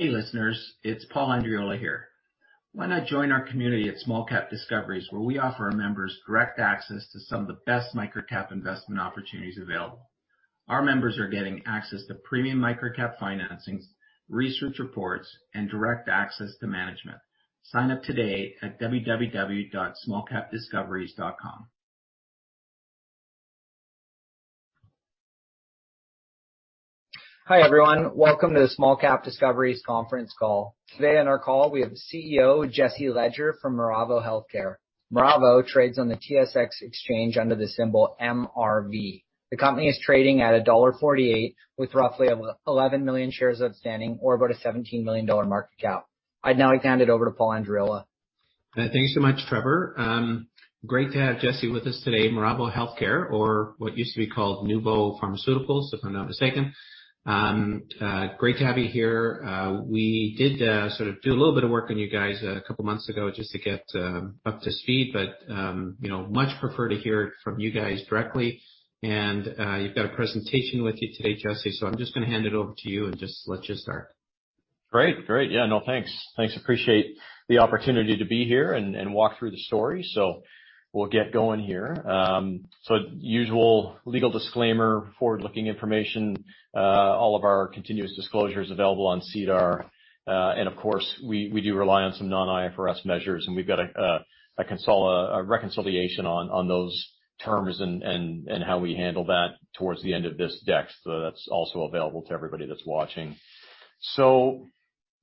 Hey, listeners. It's Paul Andreola here. Why not join our community at SmallCap Discoveries, where we offer our members direct access to some of the best microcap investment opportunities available? Our members are getting access to premium microcap financings, research reports, and direct access to management. Sign up today at smallcapdiscoveries.com. Hi, everyone. Welcome to the SmallCap Discoveries conference call. Today on our call, we have the CEO, Jesse Ledger from Miravo Healthcare. Miravo trades on the TSX exchange under the symbol MRV. The company is trading at dollar 1.48 with roughly 11 million shares outstanding or about a 17 million dollar market cap. I'd now hand it over to Paul Andreola. Thanks so much, Trevor. Great to have Jesse with us today. Miravo Healthcare or what used to be called Nuvo Pharmaceuticals, if I'm not mistaken. Great to have you here. We did do a little bit of work on you guys a couple months ago just to get up to speed, but much prefer to hear it from you guys directly. You've got a presentation with you today, Jesse, so I'm just going to hand it over to you and just let you start. Great. Yeah. No, thanks. Appreciate the opportunity to be here and walk through the story. We'll get going here. Usual legal disclaimer, forward-looking information, all of our continuous disclosures available on SEDAR. Of course, we do rely on some non-IFRS measures, and we've got a reconciliation on those terms and how we handle that towards the end of this deck. That's also available to everybody that's watching.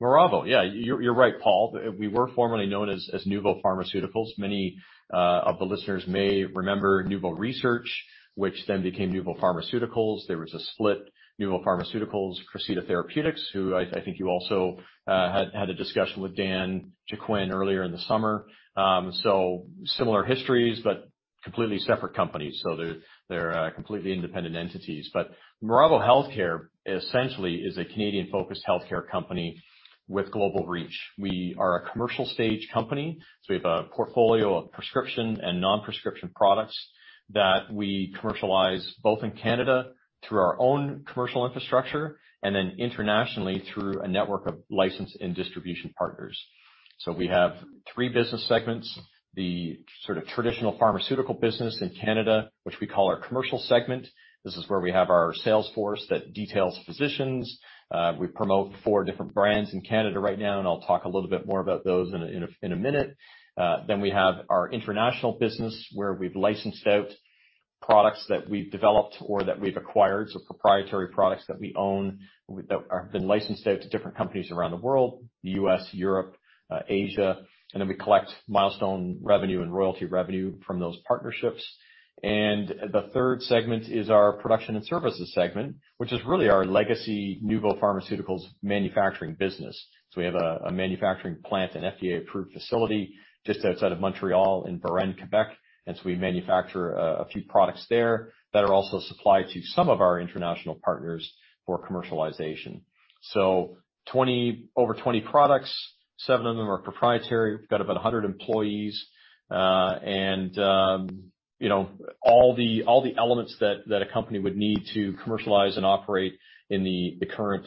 Miravo. Yeah, you're right, Paul. We were formerly known as Nuvo Pharmaceuticals. Many of the listeners may remember Nuvo Research, which then became Nuvo Pharmaceuticals. There was a split, Nuvo Pharmaceuticals, Crescita Therapeutics, who I think you also had a discussion with Dan Chicoine earlier in the summer. Similar histories, but completely separate companies. They're completely independent entities. Miravo Healthcare essentially is a Canadian-focused healthcare company with global reach. We are a commercial stage company, so we have a portfolio of prescription and non-prescription products that we commercialize both in Canada through our own commercial infrastructure and then internationally through a network of license and distribution partners. We have three business segments, the sort of traditional pharmaceutical business in Canada, which we call our commercial segment. This is where we have our sales force that details physicians. We promote four different brands in Canada right now, and I'll talk a little bit more about those in a minute. We have our international business where we've licensed out products that we've developed or that we've acquired, so proprietary products that we own that have been licensed out to different companies around the world, the U.S., Europe, Asia. We collect milestone revenue and royalty revenue from those partnerships. The third segment is our production and services segment, which is really our legacy Nuvo Pharmaceuticals manufacturing business. We have a manufacturing plant and FDA-approved facility just outside of Montreal in Varennes, Quebec, and so we manufacture a few products there that are also supplied to some of our international partners for commercialization. Over 20 products, seven of them are proprietary. We've got about 100 employees, and all the elements that a company would need to commercialize and operate in the current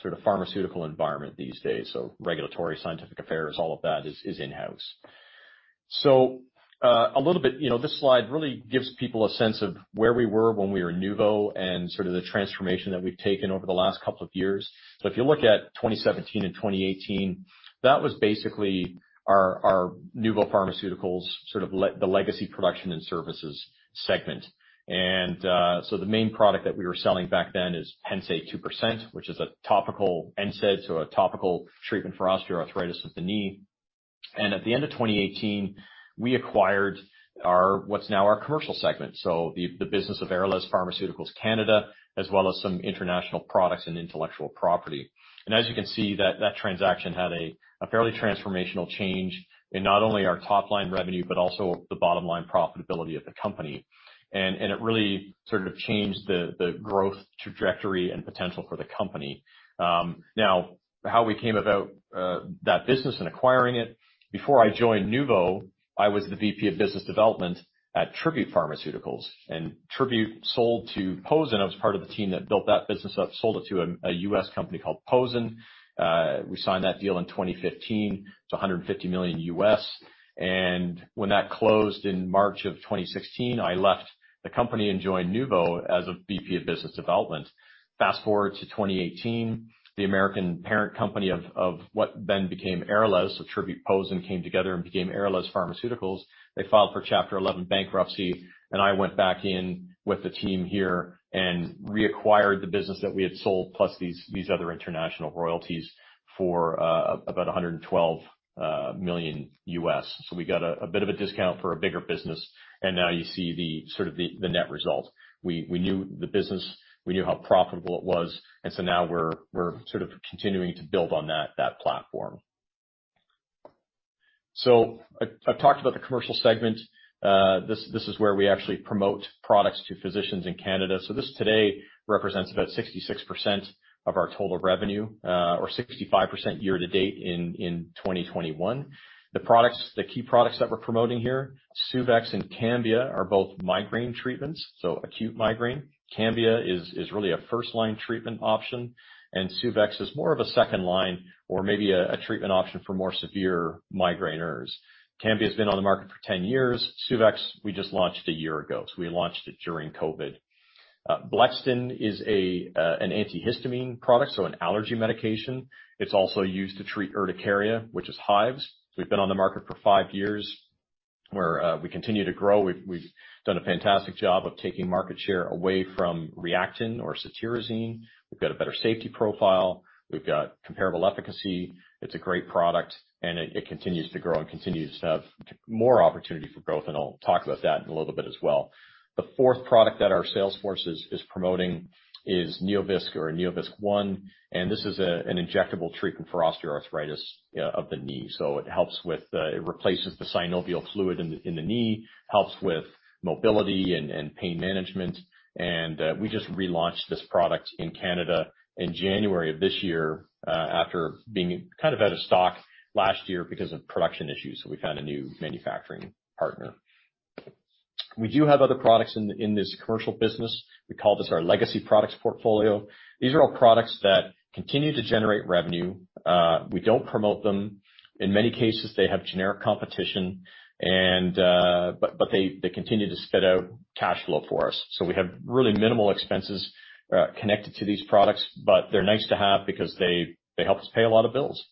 sort of pharmaceutical environment these days. Regulatory, scientific affairs, all of that is in-house. A little bit. This slide really gives people a sense of where we were when we were Nuvo and sort of the transformation that we've taken over the last couple of years. If you look at 2017 and 2018, that was basically our Nuvo Pharmaceuticals, sort of the legacy production and services segment. The main product that we were selling back then is Pennsaid 2%, which is a topical NSAID, so a topical treatment for osteoarthritis of the knee. At the end of 2018, we acquired what's now our commercial segment, the business of Aralez Pharmaceuticals Canada, as well as some international products and intellectual property. As you can see, that transaction had a fairly transformational change in not only our top-line revenue, but also the bottom-line profitability of the company. It really sort of changed the growth trajectory and potential for the company. Now, how we came about that business and acquiring it. Before I joined Nuvo, I was the VP of business development at Tribute Pharmaceuticals, and Tribute sold to POZEN. I was part of the team that built that business up, sold it to a U.S. company called POZEN. We signed that deal in 2015. It's $150 million. When that closed in March of 2016, I left the company and joined Nuvo as a VP of business development. Fast-forward to 2018, the American parent company of what then became Aralez, so Tribute POZEN came together and became Aralez Pharmaceuticals. They filed for Chapter 11 bankruptcy, and I went back in with the team here and reacquired the business that we had sold, plus these other international royalties for about $112 million. We got a bit of a discount for a bigger business, and now you see the net result. We knew the business, we knew how profitable it was, and so now we're sort of continuing to build on that platform. I've talked about the commercial segment. This is where we actually promote products to physicians in Canada. This today represents about 66% of our total revenue, or 65% year to date in 2021. The key products that we're promoting here, Suvexx and Cambia, are both migraine treatments, so acute migraine. Cambia is really a first-line treatment option, and Suvexx is more of a second line or maybe a treatment option for more severe migraineurs. Cambia's been on the market for 10 years. Suvexx, we just launched a year ago. We launched it during COVID. Blexten is an antihistamine product, so an allergy medication. It's also used to treat urticaria, which is hives. We've been on the market for five years where we continue to grow. We've done a fantastic job of taking market share away from Reactine or cetirizine. We've got a better safety profile. We've got comparable efficacy. It's a great product, and it continues to grow and continues to have more opportunity for growth. I'll talk about that in a little bit as well. The fourth product that our sales force is promoting is NeoVisc or NeoVisc ONE, and this is an injectable treatment for osteoarthritis of the knee. It helps with replacing the synovial fluid in the knee, helps with mobility and pain management. We just relaunched this product in Canada in January of this year, after being out of stock last year because of production issues. We found a new manufacturing partner. We do have other products in this commercial business. We call this our legacy products portfolio. These are all products that continue to generate revenue. We don't promote them. In many cases, they have generic competition, but they continue to spit out cash flow for us. We have really minimal expenses connected to these products, but they're nice to have because they help us pay a lot of bills.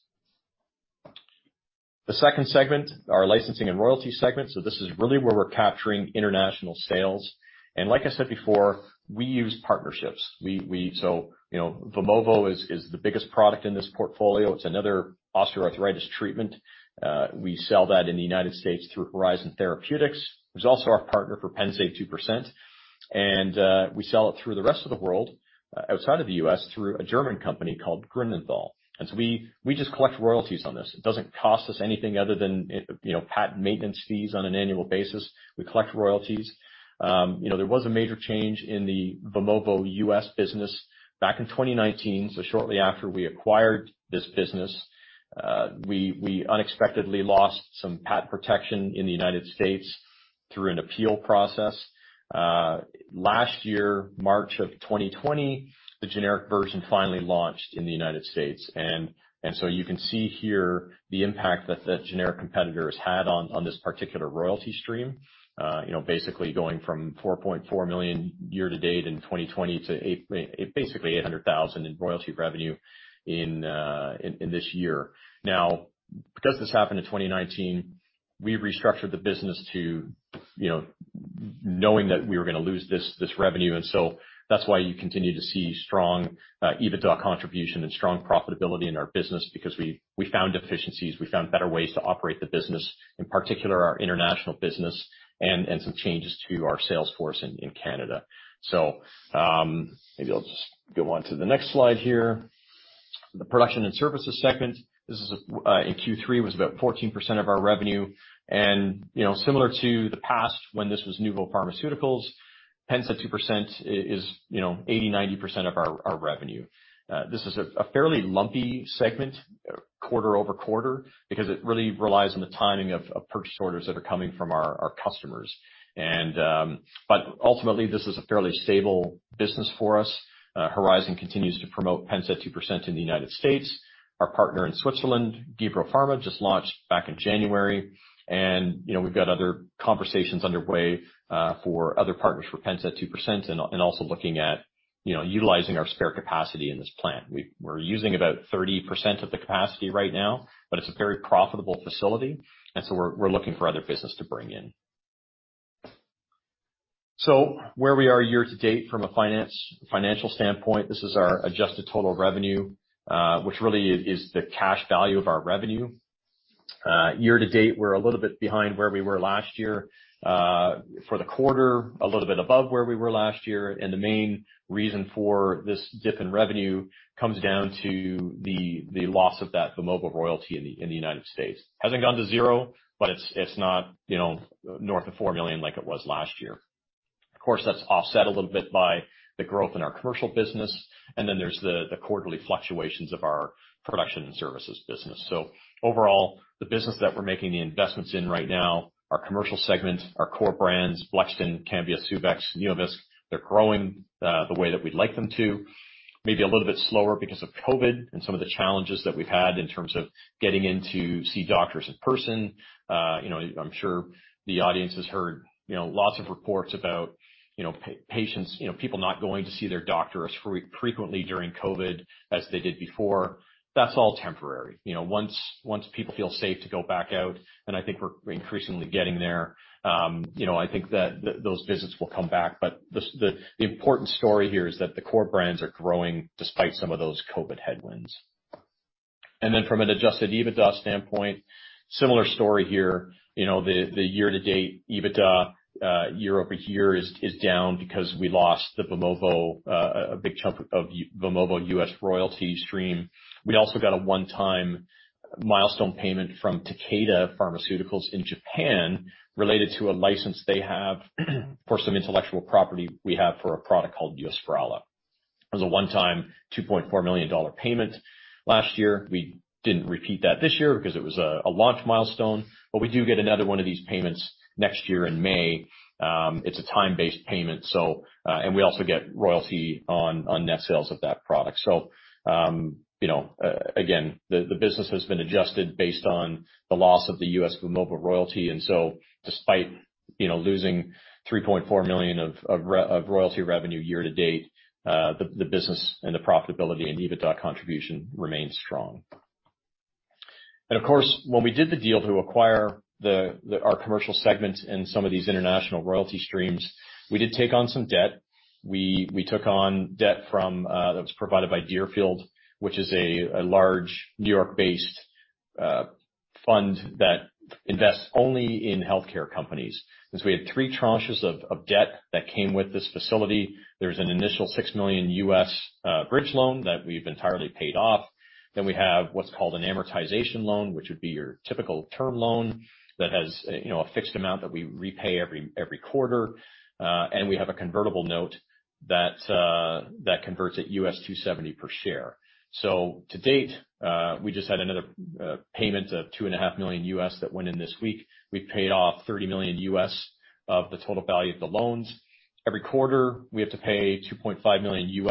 The second segment, our Licensing and Royalty Segment. This is really where we're capturing international sales. Like I said before, we use partnerships. Vimovo is the biggest product in this portfolio. It's another osteoarthritis treatment. We sell that in the United States through Horizon Therapeutics, who's also our partner for Pennsaid 2%. We sell it through the rest of the world, outside of the U.S., through a German company called Grünenthal. We just collect royalties on this. It doesn't cost us anything other than patent maintenance fees on an annual basis. We collect royalties. There was a major change in the Vimovo U.S. business back in 2019. Shortly after we acquired this business, we unexpectedly lost some patent protection in the United States through an appeal process. Last year, March of 2020, the generic version finally launched in the United States. You can see here the impact that that generic competitor has had on this particular royalty stream. Basically going from $4.4 million year to date in 2020 to basically $800,000 in royalty revenue in this year. Now, because this happened in 2019, we restructured the business knowing that we were going to lose this revenue. That's why you continue to see strong EBITDA contribution and strong profitability in our business because we found efficiencies, we found better ways to operate the business, in particular our international business and some changes to our sales force in Canada. Maybe I'll just go on to the next slide here. The production and services segment. This is in Q3, was about 14% of our revenue. Similar to the past when this was Nuvo Pharmaceuticals, Pennsaid 2% is 80%, 90% of our revenue. This is a fairly lumpy segment quarter-over-quarter because it really relies on the timing of purchase orders that are coming from our customers. Ultimately, this is a fairly stable business for us. Horizon continues to promote Pennsaid 2% in the United States. Our partner in Switzerland, Gebro Pharma, just launched back in January. We've got other conversations underway for other partners for Pennsaid 2%, and also looking at utilizing our spare capacity in this plant. We're using about 30% of the capacity right now, but it's a very profitable facility, and so we're looking for other business to bring in. Where we are year to date from a financial standpoint, this is our adjusted total revenue, which really is the cash value of our revenue. Year to date, we're a little bit behind where we were last year. For the quarter, a little bit above where we were last year. The main reason for this dip in revenue comes down to the loss of that Vimovo royalty in the United States. Hasn't gone to zero, but it's not north of $4 million like it was last year. Of course, that's offset a little bit by the growth in our commercial business, and then there's the quarterly fluctuations of our production services business. Overall, the business that we're making the investments in right now, our commercial segment, our core brands, Blexten, Cambia, Suvexx, NeoVisc, they're growing the way that we'd like them to. Maybe a little bit slower because of COVID and some of the challenges that we've had in terms of getting in to see doctors in person. I'm sure the audience has heard lots of reports about people not going to see their doctor as frequently during COVID as they did before. That's all temporary. Once people feel safe to go back out, and I think we're increasingly getting there, I think that those visits will come back. The important story here is that the core brands are growing despite some of those COVID headwinds. From an adjusted EBITDA standpoint, similar story here. The year-to-date EBITDA year-over-year is down because we lost Vimovo, a big chunk of Vimovo U.S. royalty stream. We also got a one-time milestone payment from Takeda Pharmaceutical Company in Japan related to a license they have for some intellectual property we have for a product called Yosprala. It was a one-time $2.4 million payment last year. We didn't repeat that this year because it was a launch milestone, but we do get another one of these payments next year in May. It's a time-based payment. We also get royalty on net sales of that product. Again, the business has been adjusted based on the loss of the U.S. Vimovo royalty, and so despite losing $3.4 million of royalty revenue year to date, the business and the profitability and EBITDA contribution remains strong. Of course, when we did the deal to acquire our commercial segment in some of these international royalty streams, we did take on some debt. We took on debt that was provided by Deerfield, which is a large New York-based fund that invests only in healthcare companies. Since we had three tranches of debt that came with this facility, there's an initial $6 million bridge loan that we've entirely paid off. We have what's called an amortization loan, which would be your typical term loan that has a fixed amount that we repay every quarter. We have a convertible note that converts at $2.70 per share. To date, we just had another payment of $2.5 million that went in this week. We've paid off $30 million of the total value of the loans. Every quarter, we have to pay $2.5 million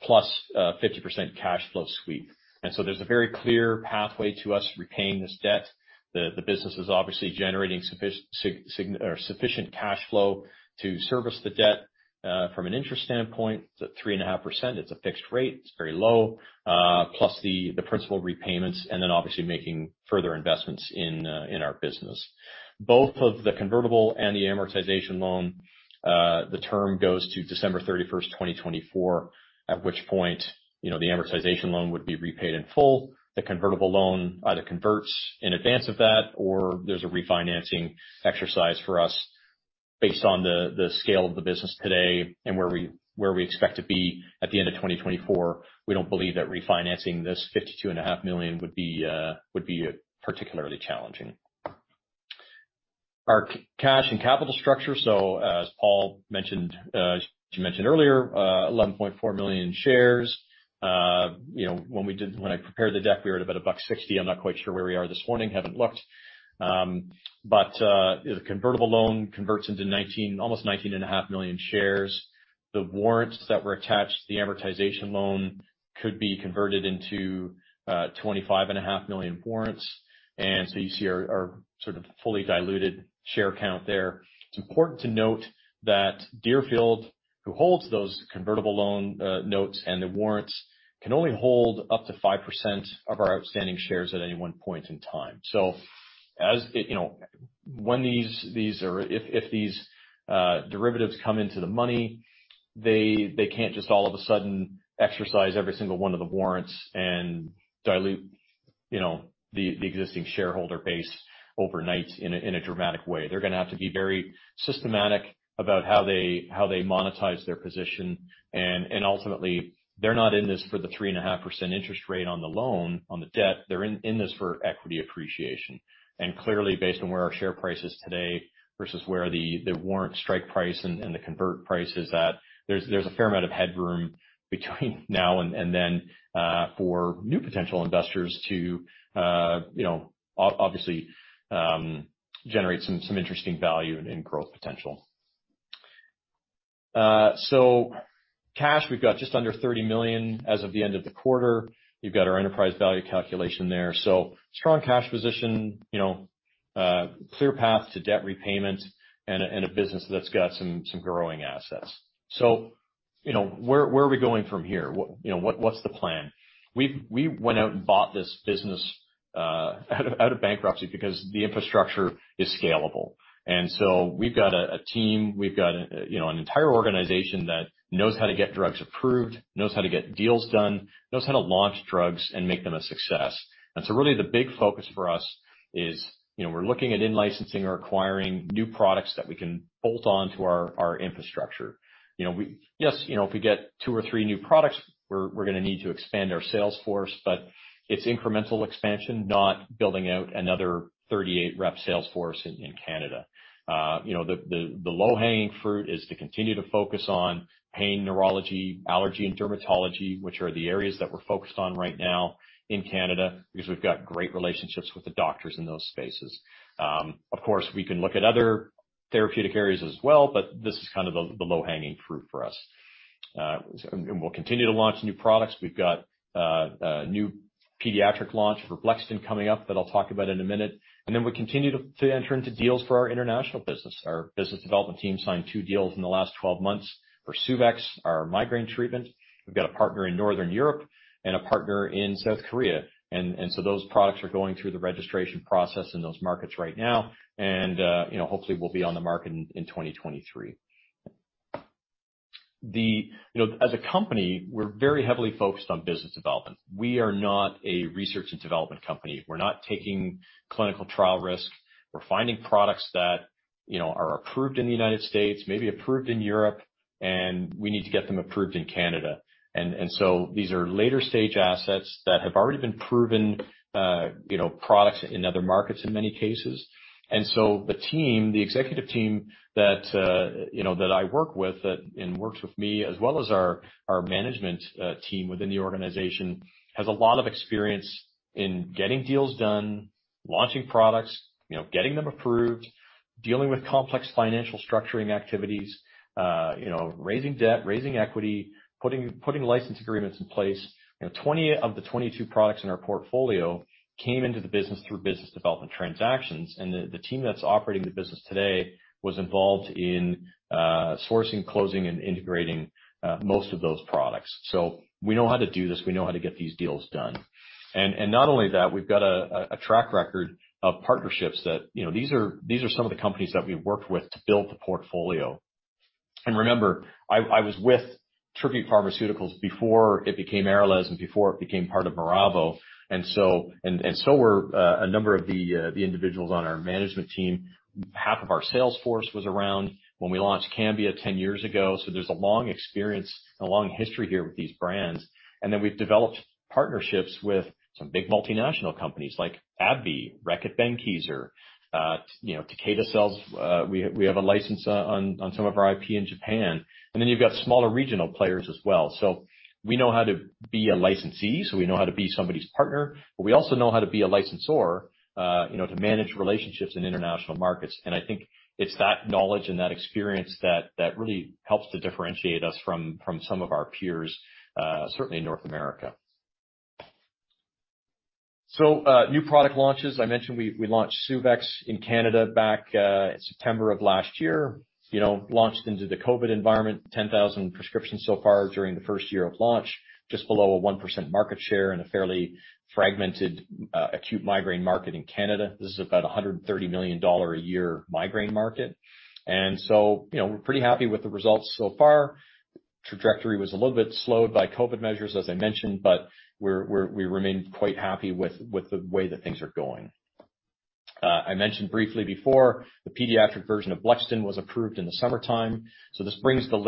plus a 50% cash flow sweep. There's a very clear pathway to us repaying this debt. The business is obviously generating sufficient cash flow to service the debt. From an interest standpoint, it's at 3.5%. It's a fixed rate. It's very low, plus the principal repayments, and then obviously making further investments in our business. Both of the convertible and the amortization loan, the term goes to December 31st, 2024. At which point, the amortization loan would be repaid in full. The convertible loan either converts in advance of that or there's a refinancing exercise for us based on the scale of the business today and where we expect to be at the end of 2024. We don't believe that refinancing this $52.5 million would be particularly challenging. Our cash and capital structure. As Paul mentioned earlier, 11.4 million shares. When I prepared the deck, we were at about $1.60. I'm not quite sure where we are this morning. Haven't looked. The convertible loan converts into almost 19.5 million shares. The warrants that were attached to the amortization loan could be converted into 25.5 million warrants. You see our sort of fully diluted share count there. It's important to note that Deerfield, who holds those convertible loan notes and the warrants, can only hold up to 5% of our outstanding shares at any one point in time. If these derivatives come into the money, they can't just all of a sudden exercise every single one of the warrants and dilute the existing shareholder base overnight in a dramatic way. They're going to have to be very systematic about how they monetize their position. Ultimately, they're not in this for the 3.5% interest rate on the loan, on the debt. They're in this for equity appreciation. Clearly, based on where our share price is today versus where the warrant strike price and the convert price is at, there's a fair amount of headroom between now and then for new potential investors to obviously generate some interesting value and growth potential. Cash, we've got just under 30 million as of the end of the quarter. You've got our enterprise value calculation there. Strong cash position, clear path to debt repayment, and a business that's got some growing assets. Where are we going from here? What's the plan? We went out and bought this business out of bankruptcy because the infrastructure is scalable. We've got a team, we've got an entire organization that knows how to get drugs approved, knows how to get deals done, knows how to launch drugs and make them a success. Really the big focus for us is we're looking at in-licensing or acquiring new products that we can bolt on to our infrastructure. Yes, if we get two or three new products, we're going to need to expand our sales force, but it's incremental expansion, not building out another 38-rep sales force in Canada. The low-hanging fruit is to continue to focus on pain, neurology, allergy, and dermatology, which are the areas that we're focused on right now in Canada, because we've got great relationships with the doctors in those spaces. Of course, we can look at other therapeutic areas as well, but this is kind of the low-hanging fruit for us. We'll continue to launch new products. We've got a new pediatric launch for Blexten coming up that I'll talk about in a minute. We continue to enter into deals for our international business. Our business development team signed two deals in the last 12 months for Suvexx, our migraine treatment. We've got a partner in Northern Europe and a partner in South Korea. Those products are going through the registration process in those markets right now, and hopefully will be on the market in 2023. As a company, we're very heavily focused on business development. We are not a research and development company. We're not taking clinical trial risk. We're finding products that are approved in the United States, maybe approved in Europe, and we need to get them approved in Canada. These are later-stage assets that have already been proven products in other markets in many cases. The executive team that I work with, and works with me, as well as our management team within the organization, has a lot of experience in getting deals done, launching products, getting them approved, dealing with complex financial structuring activities, raising debt, raising equity, putting license agreements in place. 20 of the 22 products in our portfolio came into the business through business development transactions, and the team that's operating the business today was involved in sourcing, closing, and integrating most of those products. We know how to do this. We know how to get these deals done. Not only that, we've got a track record of partnerships that these are some of the companies that we've worked with to build the portfolio. Remember, I was with Tribute Pharmaceuticals before it became Aralez and before it became part of Nuvo, and so were a number of the individuals on our management team. Half of our sales force was around when we launched Cambia 10 years ago. There's a long experience and a long history here with these brands. Then we've developed partnerships with some big multinational companies like AbbVie, Reckitt Benckiser, Takeda as well. We have a license on some of our IP in Japan, and then you've got smaller regional players as well. We know how to be a licensee, so we know how to be somebody's partner, but we also know how to be a licensor to manage relationships in international markets. I think it's that knowledge and that experience that really helps to differentiate us from some of our peers, certainly in North America. New product launches. I mentioned we launched Suvexx in Canada back in September of last year. Launched into the COVID environment, 10,000 prescriptions so far during the first year of launch, just below a 1% market share in a fairly fragmented acute migraine market in Canada. This is about 130 million dollar a year migraine market. We're pretty happy with the results so far. Trajectory was a little bit slowed by COVID measures, as I mentioned, but we remain quite happy with the way that things are going. I mentioned briefly before the pediatric version of Blexten was approved in the summertime. This brings the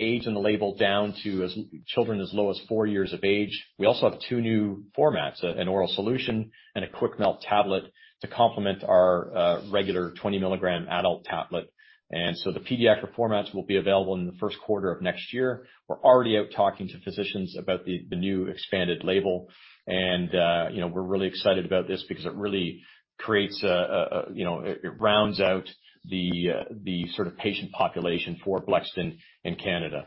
age and the label down to children as low as four years of age. We also have two new formats, an oral solution and a quick melt tablet to complement our regular 20 mg adult tablet. The pediatric formats will be available in the first quarter of next year. We're already out talking to physicians about the new expanded label, and we're really excited about this because it really rounds out the sort of patient population for Blexten in Canada.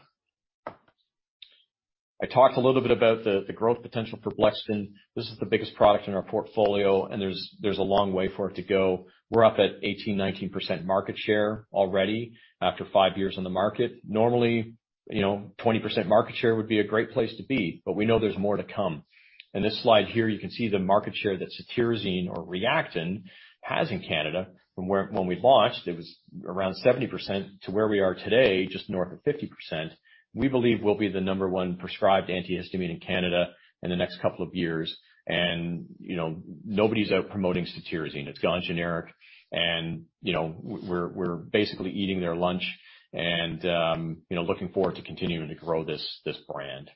I talked a little bit about the growth potential for Blexten. This is the biggest product in our portfolio, and there's a long way for it to go. We're up at 18%-19% market share already after five years on the market. Normally, 20% market share would be a great place to be, but we know there's more to come. In this slide here, you can see the market share that cetirizine or Reactine has in Canada. From when we launched, it was around 70% to where we are today, just north of 50%. We believe we'll be the number one prescribed antihistamine in Canada in the next couple of years. Nobody's out promoting cetirizine. It's gone generic, and we're basically eating their lunch and looking forward to continuing to grow this brand.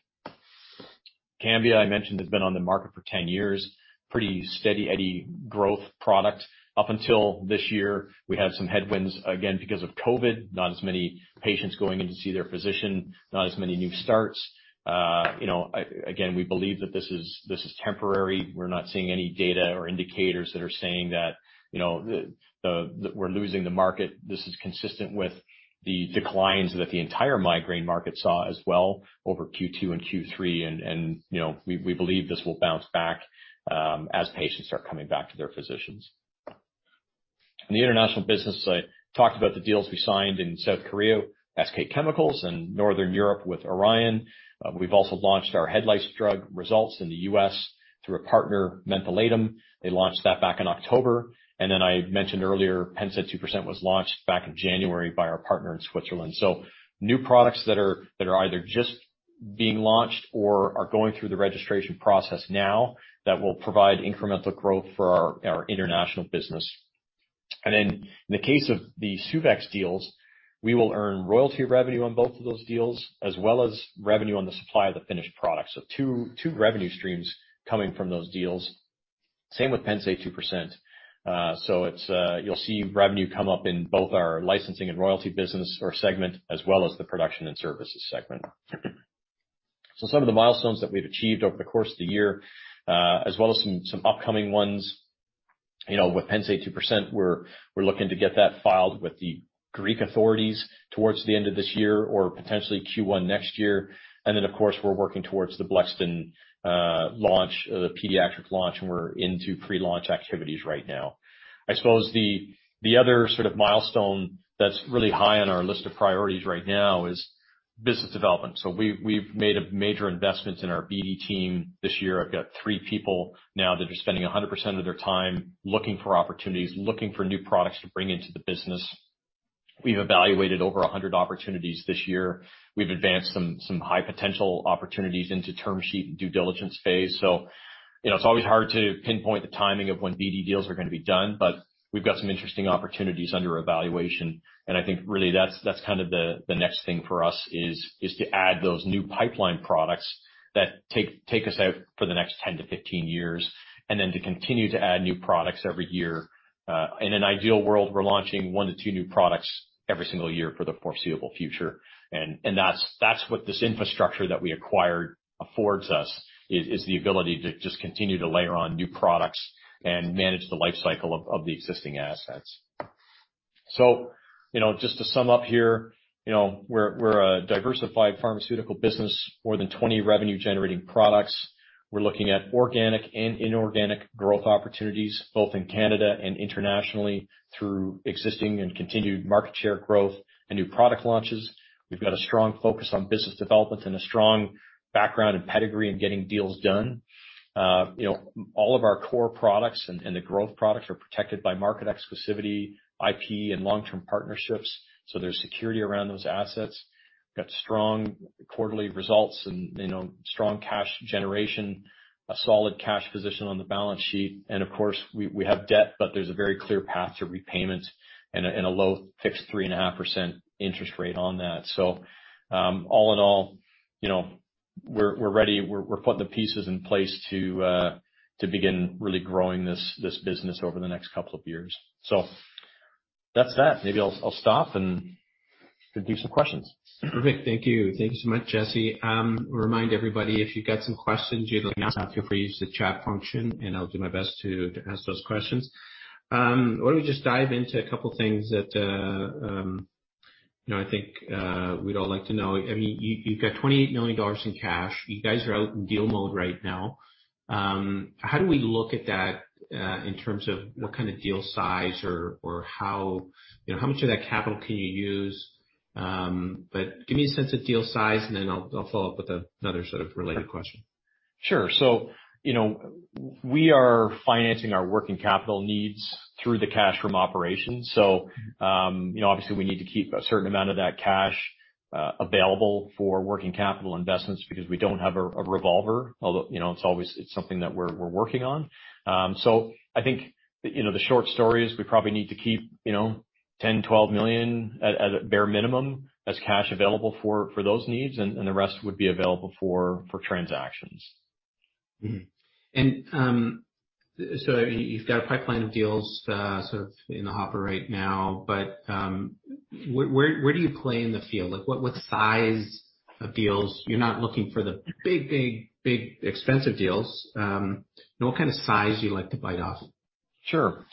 Cambia, I mentioned, has been on the market for 10 years. Pretty steady Eddie growth product. Up until this year, we had some headwinds, again, because of COVID. Not as many patients going in to see their physician, not as many new starts. Again, we believe that this is temporary. We're not seeing any data or indicators that are saying that we're losing the market. This is consistent with the declines that the entire migraine market saw as well over Q2 and Q3. We believe this will bounce back as patients start coming back to their physicians. In the international business, I talked about the deals we signed in South Korea, SK Chemicals, and Northern Europe with Orion. We've also launched our head lice drug Resultz in the U.S. through a partner, Mentholatum. They launched that back in October. I mentioned earlier, Pennsaid 2% was launched back in January by our partner in Switzerland. New products that are either just being launched or are going through the registration process now that will provide incremental growth for our international business. In the case of the Suvexx deals, we will earn royalty revenue on both of those deals, as well as revenue on the supply of the finished product. Two revenue streams coming from those deals. Same with Pennsaid 2%. You'll see revenue come up in both our licensing and royalty business or segment, as well as the production and services segment. Some of the milestones that we've achieved over the course of the year as well as some upcoming ones. With Pennsaid 2%, we're looking to get that filed with the Greek authorities towards the end of this year or potentially Q1 next year. Then, of course, we're working towards the Blexten launch, the pediatric launch, and we're into pre-launch activities right now. I suppose the other sort of milestone that's really high on our list of priorities right now is business development. We've made major investments in our BD team this year. I've got three people now that are spending 100% of their time looking for opportunities, looking for new products to bring into the business. We've evaluated over 100 opportunities this year. We've advanced some high potential opportunities into term sheet due diligence phase. It's always hard to pinpoint the timing of when BD deals are going to be done, but we've got some interesting opportunities under evaluation, and I think really that's kind of the next thing for us is to add those new pipeline products that take us out for the next 10-15 years, and then to continue to add new products every year. In an ideal world, we're launching one to two new products every single year for the foreseeable future. That's what this infrastructure that we acquired affords us, is the ability to just continue to layer on new products and manage the life cycle of the existing assets. Just to sum up here, we're a diversified pharmaceutical business, more than 20 revenue generating products. We're looking at organic and inorganic growth opportunities, both in Canada and internationally through existing and continued market share growth and new product launches. We've got a strong focus on business development and a strong background and pedigree in getting deals done. All of our core products and the growth products are protected by market exclusivity, IP, and long-term partnerships, so there's security around those assets. We've got strong quarterly results and strong cash generation, a solid cash position on the balance sheet, and of course, we have debt, but there's a very clear path to repayment and a low fixed 3.5% interest rate on that. All in all, we're ready. We're putting the pieces in place to begin really growing this business over the next couple of years. That's that. Maybe I'll stop and take some questions. Perfect. Thank you. Thank you so much, Jesse. Remind everybody, if you've got some questions you'd like to ask, feel free to use the chat function and I'll do my best to ask those questions. Why don't we just dive into a couple of things that I think we'd all like to know. You've got 28 million dollars in cash. You guys are out in deal mode right now. How do we look at that in terms of what kind of deal size or how much of that capital can you use? Give me a sense of deal size and then I'll follow up with another sort of related question. Sure. We are financing our working capital needs through the cash from operations. Obviously we need to keep a certain amount of that cash available for working capital investments because we don't have a revolver, although it's something that we're working on. I think the short story is we probably need to keep $10-12 million at a bare minimum as cash available for those needs and the rest would be available for transactions. You've got a pipeline of deals sort of in the hopper right now, but where do you play in the field? What size of deals? You're not looking for the big expensive deals. What kind of size do you like to bite off? Sure.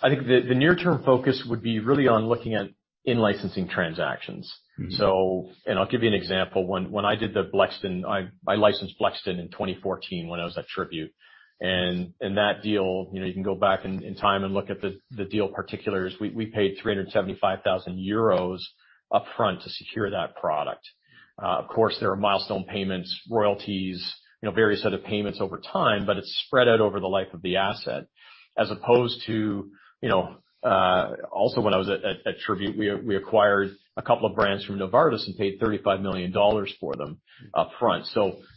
I think the near term focus would be really on looking at in-licensing transactions. I'll give you an example. When I did the Blexten, I licensed Blexten in 2014 when I was at Tribute. That deal, you can go back in time and look at the deal particulars. We paid 375,000 euros upfront to secure that product. Of course, there are milestone payments, royalties, various other payments over time, but it's spread out over the life of the asset as opposed to. Also when I was at Tribute, we acquired a couple of brands from Novartis and paid $35 million for them upfront.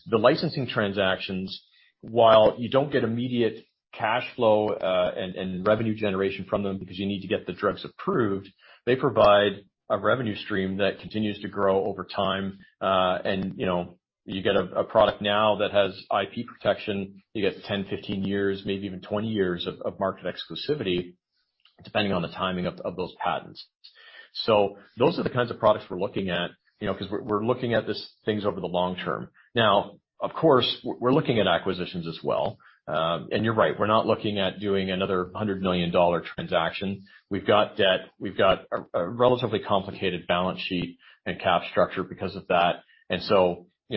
The licensing transactions, while you don't get immediate cash flow, and revenue generation from them because you need to get the drugs approved, they provide a revenue stream that continues to grow over time. You get a product now that has IP protection. You get 10, 15 years, maybe even 20 years of market exclusivity, depending on the timing of those patents. Those are the kinds of products we're looking at, because we're looking at these things over the long term. Now, of course, we're looking at acquisitions as well. You're right, we're not looking at doing another $100 million transaction. We've got debt. We've got a relatively complicated balance sheet and cap structure because of that.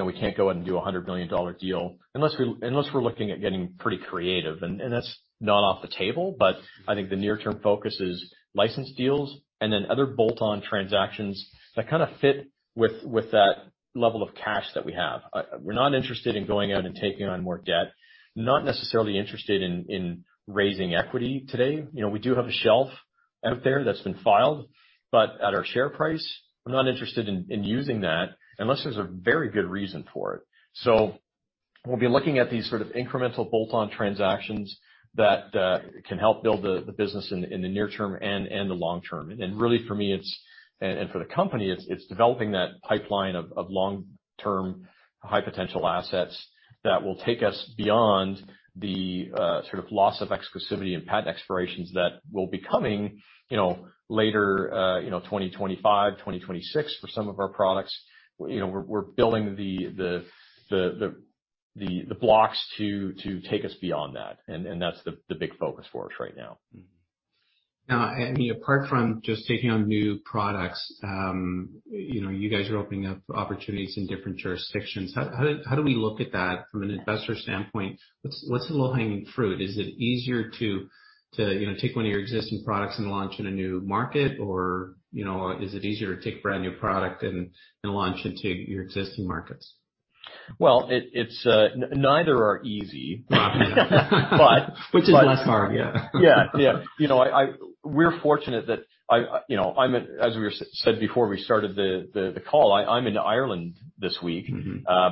We can't go out and do a $100 million deal unless we're looking at getting pretty creative. That's not off the table, but I think the near term focus is license deals and then other bolt-on transactions that kind of fit with that level of cash that we have. We're not interested in going out and taking on more debt. Not necessarily interested in raising equity today. We do have a shelf out there that's been filed, but at our share price, I'm not interested in using that unless there's a very good reason for it. We'll be looking at these sort of incremental bolt-on transactions that can help build the business in the near term and the long term. Really for me and for the company, it's developing that pipeline of long-term high potential assets that will take us beyond the sort of loss of exclusivity and patent expirations that will be coming later, 2025, 2026 for some of our products. We're building the blocks to take us beyond that. That's the big focus for us right now. Now, apart from just taking on new products, you guys are opening up opportunities in different jurisdictions. How do we look at that from an investor standpoint? What's the low-hanging fruit? Is it easier to take one of your existing products and launch in a new market? Or is it easier to take a brand new product and launch into your existing markets? Well, neither are easy. Which is less hard, yeah. Yeah. We're fortunate that, as we said before we started the call, I'm in Ireland this week.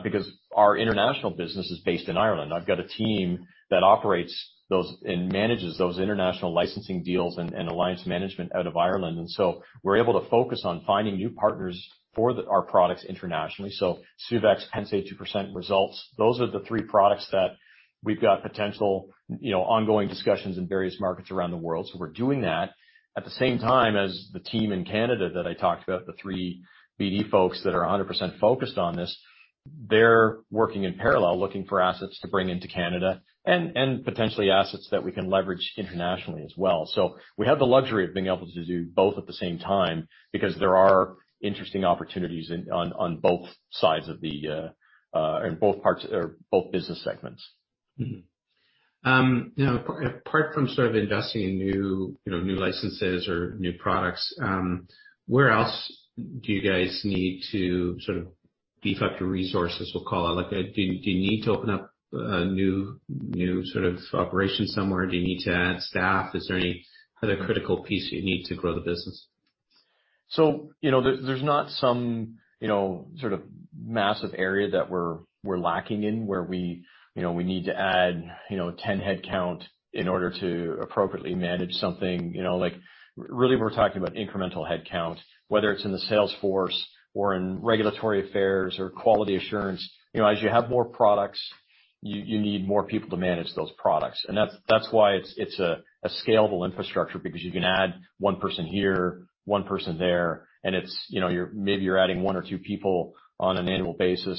Because our international business is based in Ireland. I've got a team that operates and manages those international licensing deals and alliance management out of Ireland. We're able to focus on finding new partners for our products internationally. Suvexx, Pennsaid 2%, Resultz, those are the three products that we've got potential ongoing discussions in various markets around the world. We're doing that at the same time as the team in Canada that I talked about, the three BD folks that are 100% focused on this. They're working in parallel, looking for assets to bring into Canada, and potentially assets that we can leverage internationally as well. We have the luxury of being able to do both at the same time because there are interesting opportunities in both business segments. Apart from sort of investing in new licenses or new products, where else do you guys need to sort of beef up your resources, we'll call it? Do you need to open up a new sort of operation somewhere? Do you need to add staff? Is there any other critical piece you need to grow the business? There's not some sort of massive area that we're lacking in where we need to add 10 head count in order to appropriately manage something. Really, we're talking about incremental head count, whether it's in the sales force or in regulatory affairs or quality assurance. As you have more products, you need more people to manage those products. That's why it's a scalable infrastructure because you can add one person here, one person there, and maybe you're adding one or two people on an annual basis,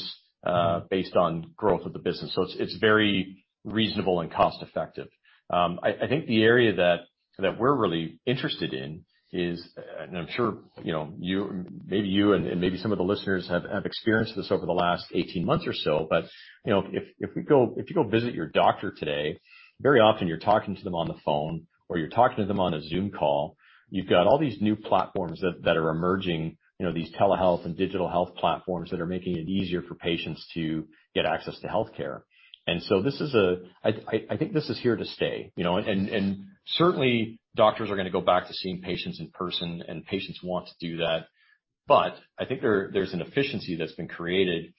based on growth of the business. It's very reasonable and cost-effective. I think the area that we're really interested in is, and I'm sure maybe you and maybe some of the listeners have experienced this over the last 18 months or so, but if you go visit your doctor today, very often you're talking to them on the phone or you're talking to them on a Zoom call. You've got all these new platforms that are emerging, these telehealth and digital health platforms that are making it easier for patients to get access to healthcare. I think this is here to stay. Certainly doctors are going to go back to seeing patients in person and patients want to do that, but I think there's an efficiency that's been created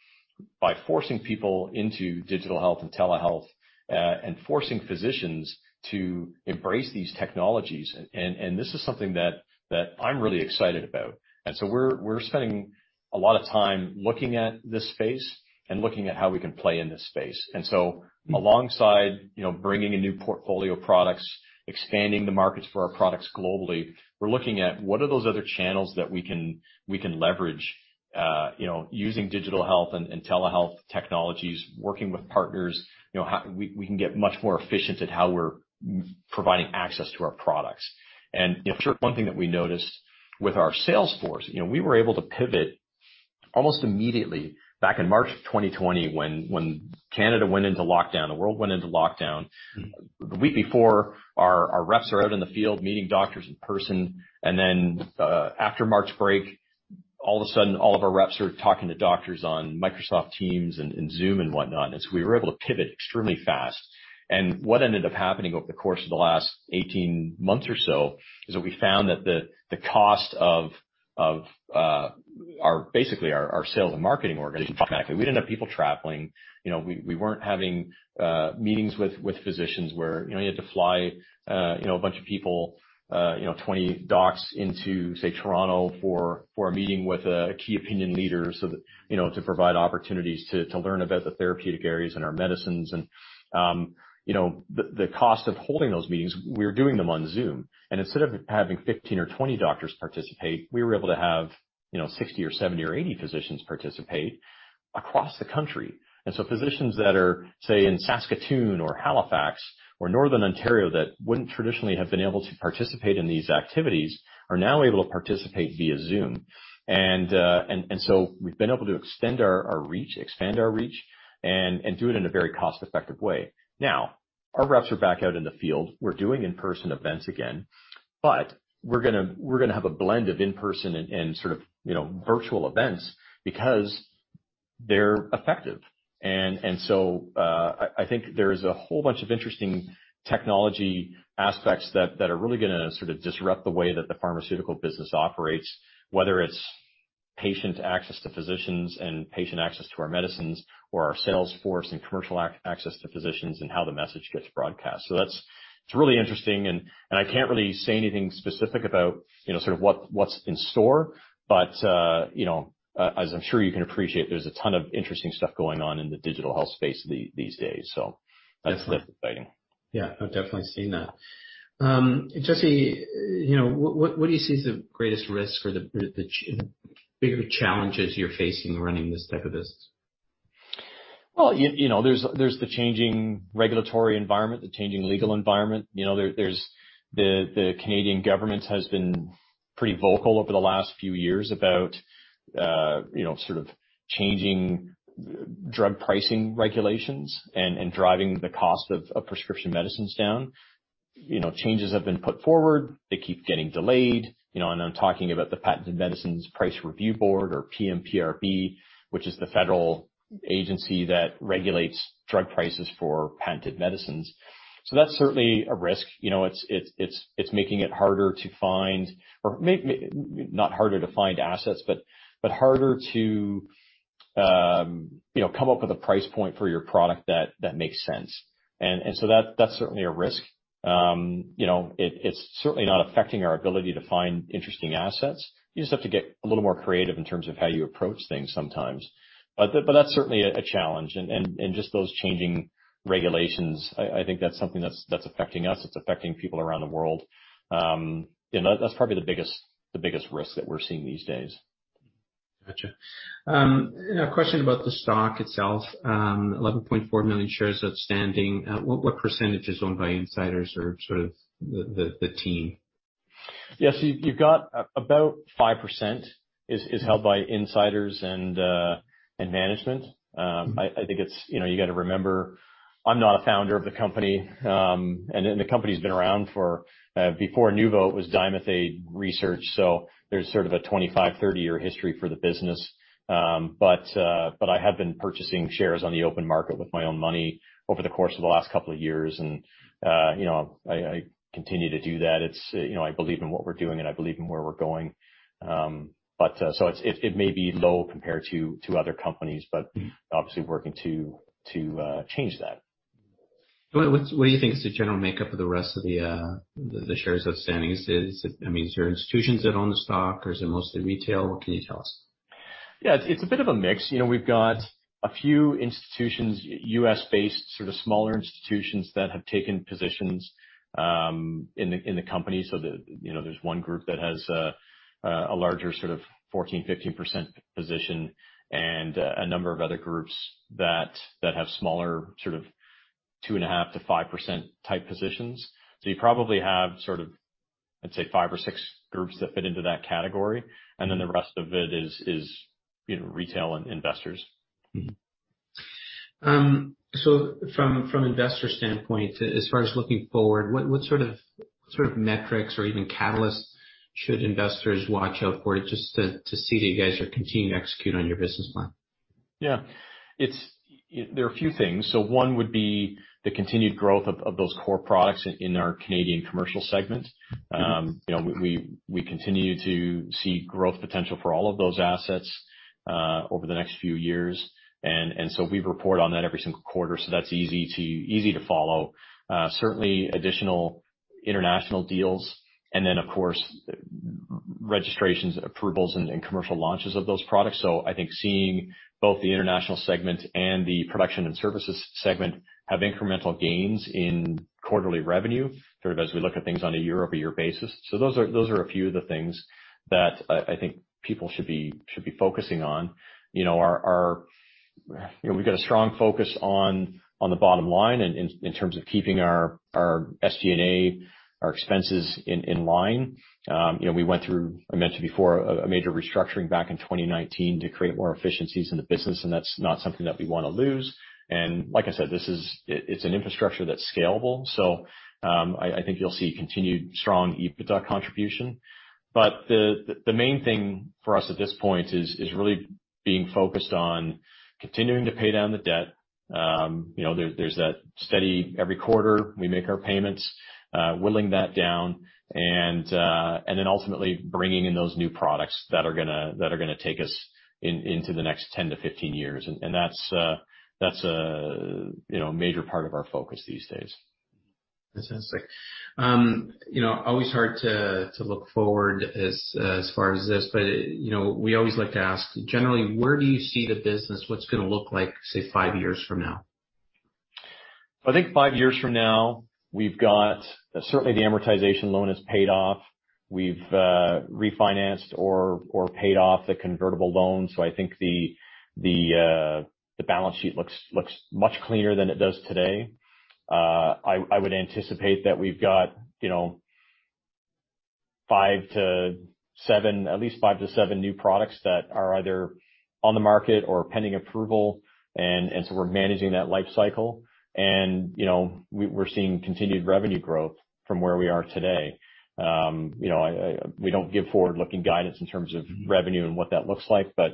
by forcing people into digital health and telehealth, and forcing physicians to embrace these technologies. This is something that I'm really excited about. We're spending a lot of time looking at this space and looking at how we can play in this space. Alongside bringing in new portfolio products, expanding the markets for our products globally, we're looking at what are those other channels that we can leverage using digital health and telehealth technologies, working with partners. We can get much more efficient at how we're providing access to our products. One thing that we noticed with our sales force, we were able to pivot almost immediately back in March 2020 when Canada went into lockdown, the world went into lockdown. The week before our reps are out in the field meeting doctors in person, and then after March break, all of a sudden all of our reps are talking to doctors on Microsoft Teams and Zoom and whatnot. We were able to pivot extremely fast. What ended up happening over the course of the last 18 months or so is that we found that the cost of basically our sales and marketing organization decreased dramatically. We didn't have people traveling. We weren't having meetings with physicians where you had to fly a bunch of people, 20 docs into, say, Toronto for a meeting with a key opinion leader to provide opportunities to learn about the therapeutic areas and our medicines. The cost of holding those meetings, we were doing them on Zoom, and instead of having 15 or 20 doctors participate, we were able to have 60 or 70 or 80 physicians participate across the country. Physicians that are, say, in Saskatoon or Halifax or Northern Ontario that wouldn't traditionally have been able to participate in these activities are now able to participate via Zoom. We've been able to extend our reach, expand our reach, and do it in a very cost-effective way. Now our reps are back out in the field. We're doing in-person events again, but we're going to have a blend of in-person and sort of virtual events because they're effective. I think there's a whole bunch of interesting technology aspects that are really going to sort of disrupt the way that the pharmaceutical business operates, whether it's patient access to physicians and patient access to our medicines or our sales force and commercial access to physicians and how the message gets broadcast. It's really interesting and I can't really say anything specific about sort of what's in store. As I'm sure you can appreciate, there's a ton of interesting stuff going on in the digital health space these days. That's exciting. Yeah. I've definitely seen that. Jesse, what do you see as the greatest risk or the bigger challenges you're facing running this type of business? Well, there's the changing regulatory environment, the changing legal environment. The Canadian government has been pretty vocal over the last few years about sort of changing drug pricing regulations and driving the cost of prescription medicines down. Changes have been put forward. They keep getting delayed. I'm talking about the Patented Medicine Prices Review Board or PMPRB, which is the federal agency that regulates drug prices for patented medicines. That's certainly a risk. It's making it harder to find, or not harder to find assets, but harder to come up with a price point for your product that makes sense. That's certainly a risk. It's certainly not affecting our ability to find interesting assets. You just have to get a little more creative in terms of how you approach things sometimes. That's certainly a challenge. Just those changing regulations, I think that's something that's affecting us. It's affecting people around the world. That's probably the biggest risk that we're seeing these days. Gotcha. A question about the stock itself, 11.4 million shares outstanding. What percentage is owned by insiders or sort of the team? Yes. You've got about 5% is held by insiders and management. I think you got to remember, I'm not a founder of the company. The company's been around for, before Nuvo, it was Dimethaid Research, so there's sort of a 25-30-year history for the business. I have been purchasing shares on the open market with my own money over the course of the last couple of years, and I continue to do that. I believe in what we're doing, and I believe in where we're going. It may be low compared to other companies, but obviously working to change that. What do you think is the general makeup of the rest of the shares outstanding? I mean, is there institutions that own the stock or is it mostly retail? What can you tell us? Yeah. It's a bit of a mix. We've got a few institutions, U.S.-based sort of smaller institutions that have taken positions in the company. There's one group that has a larger sort of 14%-15% position and a number of other groups that have smaller, sort of 2.5%-5% type positions. You probably have sort of, I'd say, five or six groups that fit into that category. The rest of it is retail investors. From investor standpoint, as far as looking forward, what sort of metrics or even catalysts should investors watch out for just to see that you guys are continuing to execute on your business plan? Yeah. There are a few things. One would be the continued growth of those core products in our Canadian commercial segment. We continue to see growth potential for all of those assets over the next few years. We report on that every single quarter, so that's easy to follow. Certainly, additional international deals and then, of course, registrations, approvals, and commercial launches of those products. I think seeing both the international segment and the production and services segment have incremental gains in quarterly revenue, sort of as we look at things on a year-over-year basis. Those are a few of the things that I think people should be focusing on. We've got a strong focus on the bottom line in terms of keeping our SG&A, our expenses in line. We went through, I mentioned before, a major restructuring back in 2019 to create more efficiencies in the business, and that's not something that we want to lose. Like I said, it's an infrastructure that's scalable. I think you'll see continued strong EBITDA contribution. The main thing for us at this point is really being focused on continuing to pay down the debt. There's that steady every quarter, we make our payments, whittling that down and then ultimately bringing in those new products that are going to take us into the next 10-15 years. That's a major part of our focus these days. Always hard to look forward as far as this, but we always like to ask, generally, where do you see the business, what's it going to look like, say, five years from now? I think five years from now, we've got certainly the amortization loan is paid off. We've refinanced or paid off the convertible loan. I think the balance sheet looks much cleaner than it does today. I would anticipate that we've got at least five to seven new products that are either on the market or pending approval, and so we're managing that life cycle. We're seeing continued revenue growth from where we are today. We don't give forward-looking guidance in terms of revenue and what that looks like, but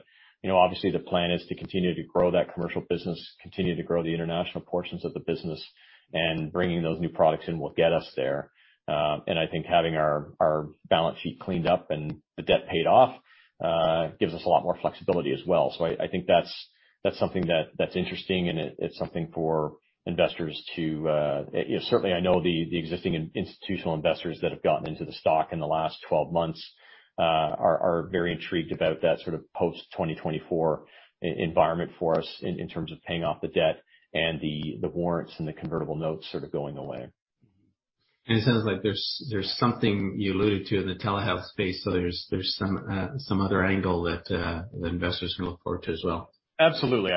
obviously the plan is to continue to grow that commercial business, continue to grow the international portions of the business, and bringing those new products in will get us there. I think having our balance sheet cleaned up and the debt paid off gives us a lot more flexibility as well. I think that's something that's interesting, and it's something for investors to. Certainly, I know the existing institutional investors that have gotten into the stock in the last 12 months are very intrigued about that sort of post-2024 environment for us in terms of paying off the debt and the warrants and the convertible notes sort of going away. It sounds like there's something you alluded to in the telehealth space, so there's some other angle that the investors can look forward to as well. Absolutely.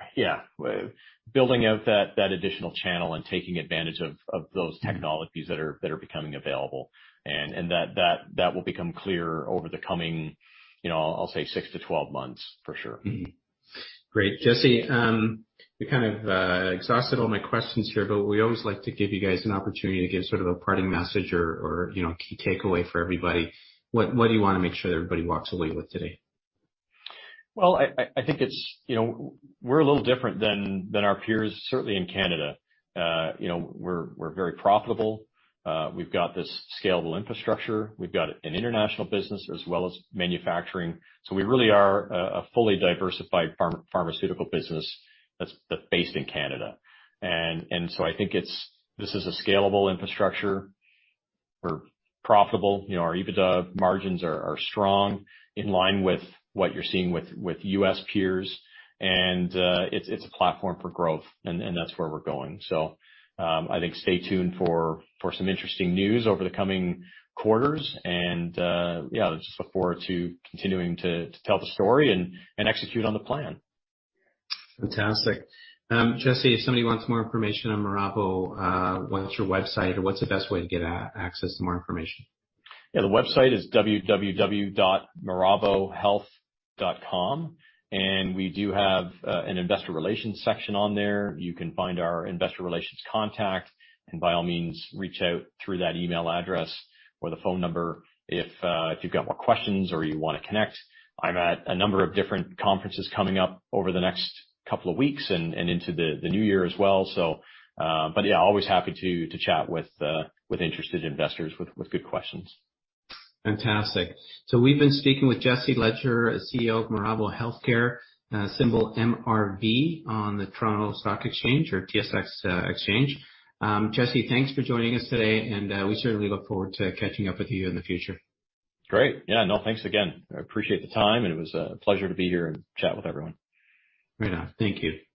I think it's kind of building out that additional channel and taking advantage of those technologies that are becoming available. That will become clearer over the coming, I'll say 6-12 months, for sure. Great. Jesse, we kind of exhausted all my questions here, but we always like to give you guys an opportunity to give sort of a parting message or a key takeaway for everybody. What do you want to make sure that everybody walks away with today? Well, I think we're a little different than our peers, certainly in Canada. We're very profitable. We've got this scalable infrastructure. We've got an international business as well as manufacturing. We really are a fully diversified pharmaceutical business that's based in Canada. I think this is a scalable infrastructure. We're profitable. Our EBITDA margins are strong, in line with what you're seeing with U.S. peers. It's a platform for growth, and that's where we're going. I think stay tuned for some interesting news over the coming quarters. Yeah, just look forward to continuing to tell the story and execute on the plan. Fantastic. Jesse, if somebody wants more information on Miravo, what's your website or what's the best way to get access to more information? Yeah, the website is www.miravohealthcare.com. We do have an investor relations section on there. You can find our investor relations contact, and by all means, reach out through that email address or the phone number if you've got more questions or you want to connect. I'm at a number of different conferences coming up over the next couple of weeks and into the new year as well, so. Yeah, always happy to chat with interested investors with good questions. Fantastic. We've been speaking with Jesse Ledger, CEO of Miravo Healthcare, symbol MRV on the Toronto Stock Exchange or TSX Exchange. Jesse, thanks for joining us today, and we certainly look forward to catching up with you in the future. Great. Yeah. No, thanks again. I appreciate the time, and it was a pleasure to be here and chat with everyone. Right on. Thank you.